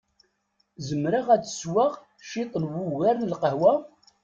Zemreɣ ad sweɣ ciṭ n wugar n lqehwa?